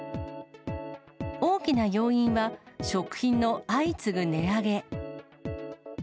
大きな要因は、食品の相次ぐ値上げ。